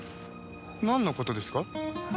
なんの事ですか？